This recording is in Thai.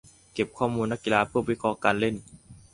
เก็บข้อมูลของนักกีฬาเพื่อวิเคราะห์การเล่น